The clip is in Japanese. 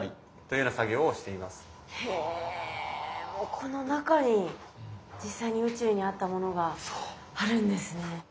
ここの中に実際に宇宙にあったものがあるんですね。